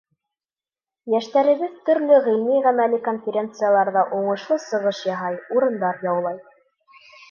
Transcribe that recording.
Йәштәребеҙ төрлө ғилми-ғәмәли конференцияларҙа уңышлы сығыш яһай, урындар яулай.